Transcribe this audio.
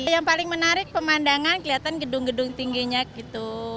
yang paling menarik pemandangan kelihatan gedung gedung tingginya gitu